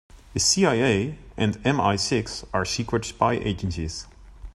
The CIA and MI-Six are secret spy agencies.